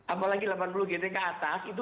apalagi delapan puluh gt ke atas itu bukan nelayan